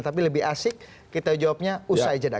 tapi lebih asik kita jawabnya usai jeda